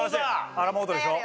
アラモードでしょ？